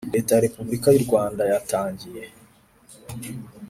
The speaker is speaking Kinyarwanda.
leta ya Repubulika y u Rwanda yatangiye